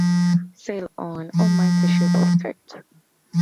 Sail on, o mighty ship of state.